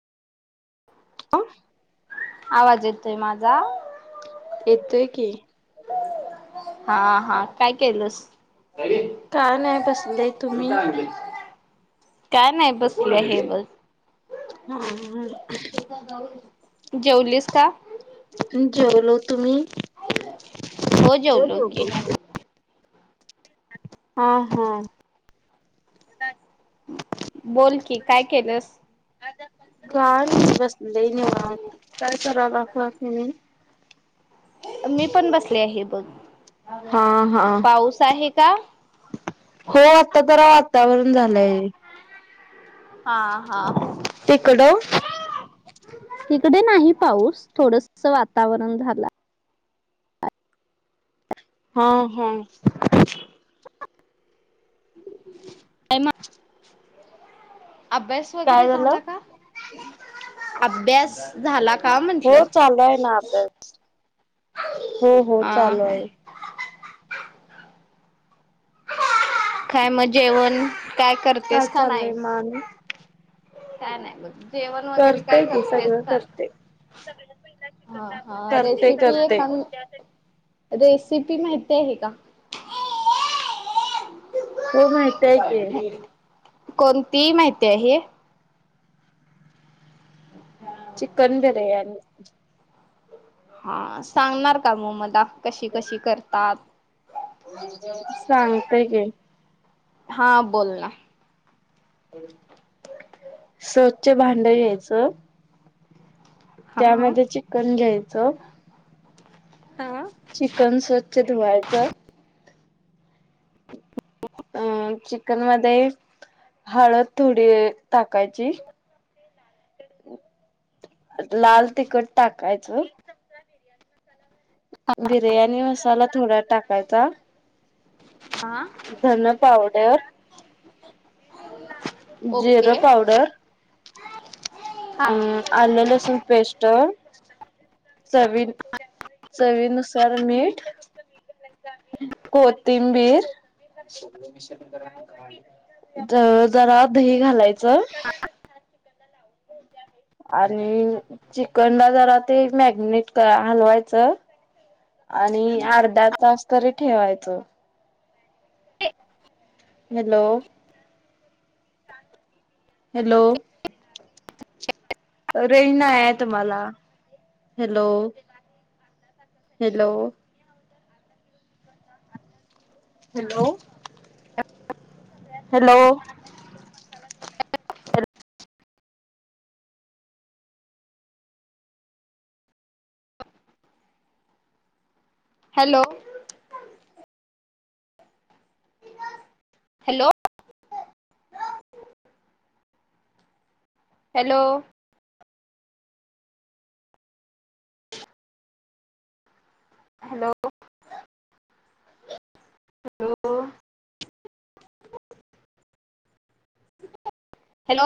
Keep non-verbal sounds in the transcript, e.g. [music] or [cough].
आऊ. आवाज येतोय माझा? येतोय की. हा, हा, काय केलंस? [unintelligible] काय नाही बसले तुम्ही काय नाही, बसल्या मी बग. हं हं हं. जेवलीस का? जेवलो, तुम्ही? हो, जेवलो की. हा हा. हम्. बोल की, काय केलंस? काय [unintelligible] बसलोय निवांत. काय करायलासा तुम्ही? मीपण बसले आहे बघ, हा हा पाऊस आहे का? हो, आता जरा वातावरण झालंय. हा हा. तिकडं ईकडे नाही पाऊस, थोडसं वातावरण झाला हा हा. काय मग? अभ्यास काय वगैरे झालं झाला का? अभ्यास झाला का हो, म्हंटलं? चालु हाय ना अभ्यास. हो, हो, हा चालू हा. आहे. काय मग जेवण, काय काय करतेस का नाही? चाललंय म आणि काय नाय बघ, जेवण वगैरे काय करतेय की करतेस सगळं का? करते हा, हा, करते रेसिपी करते एका रेसिपी माहती आहे का? हो माहिती हाय की. कोणती माहिती आहे? ह्ा [unintelligible] चिकन बिर्याणी. हा सांगणार का मग मला, कशी कशी करतात? सांगतंय की. हा बोल ना. स्वच्छ भांड घ्यायचं. हा त्यामध्ये चिकन घ्यायचं. हा चिकन स्वच्छ धुवायचं अं चिकनमध्ये हळद थोडी टाकायची. लाल तिखट टाकायचं बिर्याणी मसाला थोडा टाकायचा. हा धन पावड्यावर ओके जिरं पावडर हा अं आलं लसूण पेस्ट चवी चवीनुसार मीठ. कोथिंबीर ज जरा दही घालायचं. [inaudible] आणि चिकनला जरा ते मॅगिनेट हलवायचं. आणि अर्धा तास तरी ठेवायच हॅलो हॅलो [inaudible] रेंज नाहाये तुम्हाला hello [inaudible] hello [inaudible] hello -hello [inaudible] [unintelligible] hello [inaudible] hello hello hello [inaudible] होॅो [unintelligible] hello